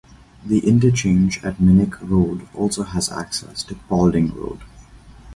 The interchange at Minnich Road also has access to Paulding Road.